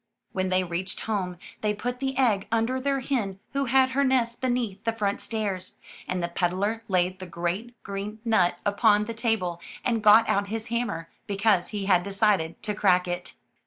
When they reached home, they put the egg under their hen who had her nest beneath the front stairs, and the peddler laid the great green nut upon the table and got out his hammer, because he had decided to crack it.